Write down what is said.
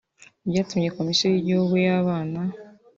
Byatumye Komisiyo y’Igihugu y’Abana